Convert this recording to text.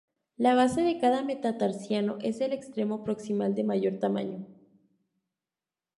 La base de cada metatarsiano es el extremo proximal de mayor tamaño.